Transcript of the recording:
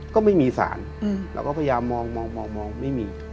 ก็ไม่มีสารเราก็พยายามมองไม่มี